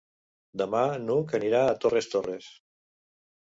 Demà n'Hug anirà a Torres Torres.